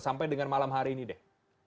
sampai dengan malam hari ini deh